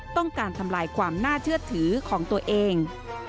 ต้องการทำลายความน่าเชื่อถือของตัวเอง